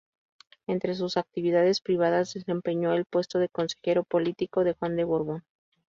Entre sus actividades privadas, desempeñó el puesto de consejero político de Juan de Borbón.